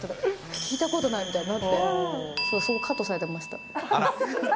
聞いたことないみたいになって、そこ、カットされてました。